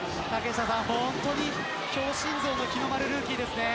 本当に強心臓の日の丸ルーキーですね。